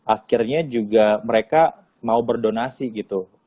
akhirnya juga mereka mau berdonasi gitu